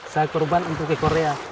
saya kurban untuk ke korea